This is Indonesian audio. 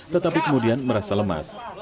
tetapi kemudian merasa lemas